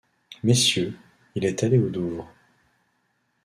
Messieurs, il est allé aux Douvres.